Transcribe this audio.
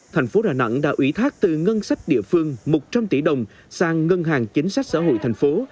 thành phố đà nẵng đã ủy thác từ ngân sách địa phương một trăm linh tỷ đồng sang ngân hàng chính sách xã hội thành phố